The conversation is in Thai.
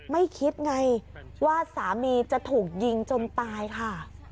ไม่คิดไงว่าสามีจะถูกยิงจนตายค่ะ